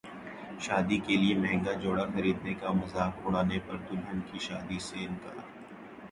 شادی کیلئے مہنگا جوڑا خریدنے کا مذاق اڑانے پر دلہن کا شادی سے انکار